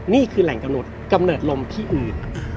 นี่คือแหล่งกำหนดกำเนิดลมที่อื่น